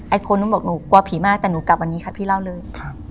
คนนู้นบอกหนูกลัวผีมากแต่หนูกลับวันนี้ค่ะพี่เล่าเลย